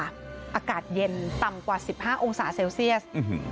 อากาศเย็นต่ำกว่า๑๕องศาเซลเซียส